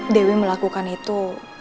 dewi melakukan itu